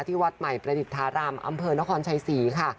วัดใหม่ประดิษฐารามอำเภอนครชัยศรีค่ะ